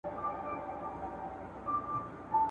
او یوازي د ښکلیو کلماتو او ترکیبونو یو لاړ وي !.